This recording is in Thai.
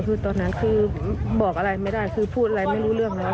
คือตอนนั้นคือบอกอะไรไม่ได้คือพูดอะไรไม่รู้เรื่องแล้ว